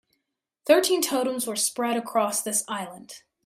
Thirteen totems were spread across this island.